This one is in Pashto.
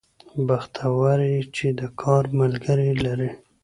بختور يې چې د کار ملګري لرې